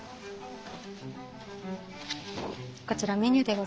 こちらメニューでございます。